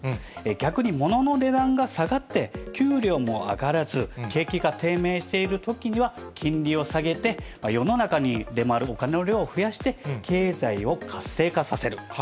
逆にものの値段が下がって、給料も上がらず、景気が低迷しているときには、金利を下げて、世の中に出回るお金の量を増やして経済を活性化させる。